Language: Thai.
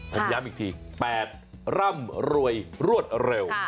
ผมย้ำอีกที๘ร่ำรวยรวดเร็ว